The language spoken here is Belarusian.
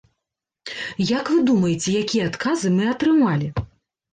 Як вы думаеце, якія адказы мы атрымалі?